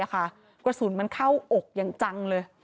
กระสุนมันเข้าอกอย่างจังเลย